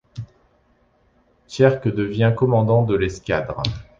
Tjerk devient commandant de l'escadre.